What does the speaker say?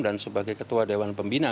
dan sebagai ketua dewan pembina